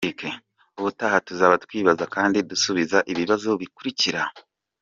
Ubutaha tuzaba twibaza kandi dusubiza ibibazo bikurikira: .